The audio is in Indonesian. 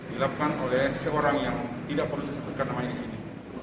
dilakukan oleh seorang yang tidak perlu saya sebutkan namanya di sini